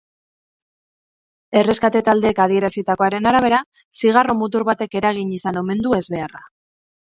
Erreskate taldeek adierazitakoaren arabera, zigarro mutur batek eragin izan omen du ezbeharra.